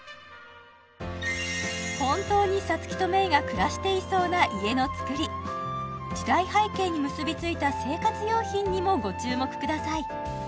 本当にサツキとメイが暮らしていそうな家の造り時代背景に結びついた生活用品にもご注目ください